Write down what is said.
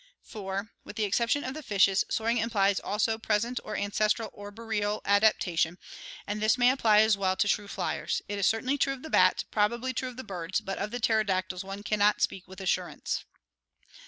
4. With the exception of the fishes, soaring implies also present or ancestral arboreal adaptation, and this may apply as well to true fliers. It is certainly true of the bats, probably true of the birds, but of the pterodactyls one can not speak with assurance.